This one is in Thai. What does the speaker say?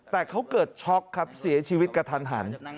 แต่เขาเกิดช็อกครับเสียชีวิตกระทันหัน